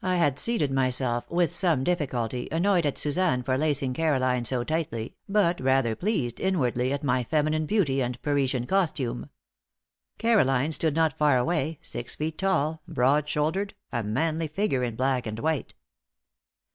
I had seated myself with some difficulty, annoyed at Suzanne for lacing Caroline so tightly, but rather pleased, inwardly, at my feminine beauty and Parisian costume. Caroline stood not far away, six feet tall, broad shouldered, a manly figure in black and white.